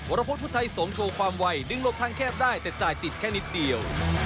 รพุธพุทธัยสงฆ์โชว์ความไวดึงหลบทางแคบได้แต่จ่ายติดแค่นิดเดียว